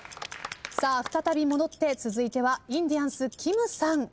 再び戻って続いてはインディアンスきむさん。